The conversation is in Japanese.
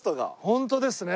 本当ですね。